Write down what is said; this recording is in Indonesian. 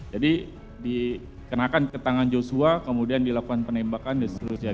jadi dikenakan ke tangan joshua kemudian dilakukan penembakan dan seterusnya